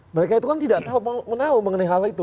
mereka itu kan tidak tahu mengenai hal itu